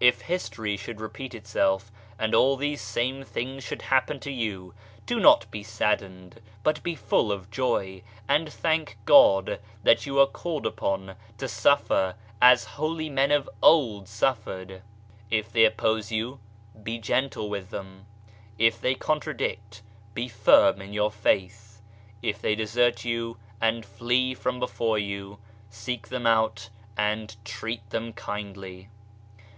If history should repeat itself and all these same things should happen to you, do not be saddened but be full of joy, and thank God that you are called upon to suffer as holy men of old suffered. If they oppose you be gentle with them, if they contradict be firm in your faith, if they desert you and flee from before you, seek them out and treat them kindly.